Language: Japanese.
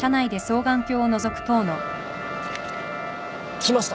来ました。